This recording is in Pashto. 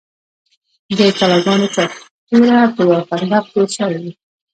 د کلاګانو چارپیره به یو خندق تیر شوی و.